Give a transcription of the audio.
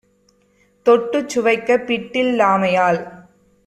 தொட்டுச் சுவைக்கப் பிட்டில் லாமையால்